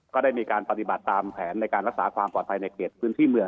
ก็ได้มีการปฏิบัติตามแผนในการรักษาความปลอดภัยในเขตพื้นที่เมือง